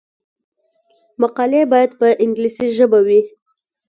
مقالې باید په انګلیسي ژبه وي.